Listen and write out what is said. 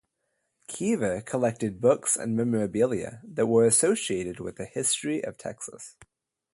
Keever collected books and memorabilia that were associated with the history of Texas.